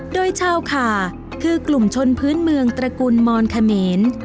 โดยชาวขาคือกลุ่มชนพื้นเมืองตระกุลมอนเขมร